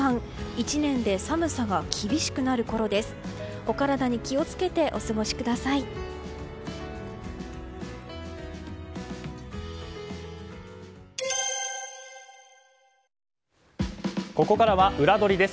１年で寒さが厳しくなるころです。